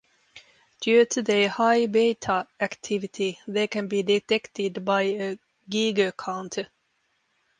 Due to their high beta activity, they can be detected by a Geiger counter.